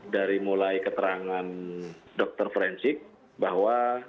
dari mulai keterangan dokter forensik bahwa